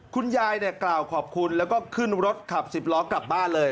คุณยายเนี่ยกล่าวขอบคุณแล้วก็ขึ้นรถขับสิบล้อกลับบ้านเลย